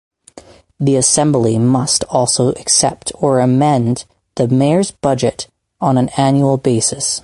The assembly must also accept or amend the Mayor's budget on an annual basis.